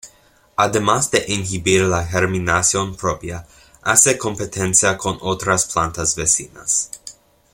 Además de inhibir la germinación propia, hace competencia con otras plantas vecinas.